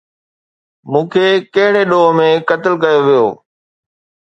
مون کي ڪهڙي ڏوهه ۾ قتل ڪيو ويو؟